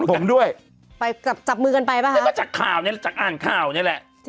ผมด้วยจับมือกันไปป่ะคะนี่ก็จากข่าวนี้จากอ่านข้าวนี้แหละ